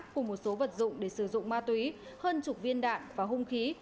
cùng một số vật dụng để sử dụng ma túy hơn chục viên đạn và hung khí